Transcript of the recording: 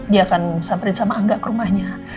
dia akan samperin sama angga ke rumahnya